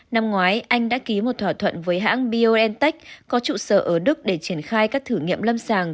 năm ngoái anh đã ký một thỏa thuận với hãng biontech có trụ sở ở đức để triển khai các thử nghiệm lâm sàng